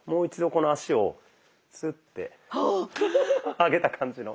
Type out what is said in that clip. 上げた感じの。